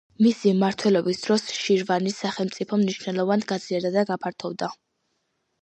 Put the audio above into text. მისი მმართველობის დროს შირვანის სახელმწიფო მნიშვნელოვნად გაძლიერდა და გაფართოვდა.